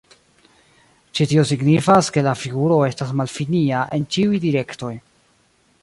Ĉi tio signifas ke la figuro estas malfinia en ĉiuj direktoj.